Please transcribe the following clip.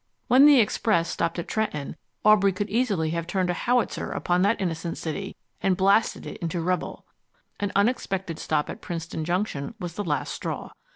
When the express stopped at Trenton, Aubrey could easily have turned a howitzer upon that innocent city and blasted it into rubble. An unexpected stop at Princeton Junction was the last straw.